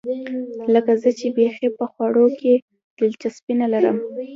لکه زه چې بیخي په خوړو کې دلچسپي نه لرم.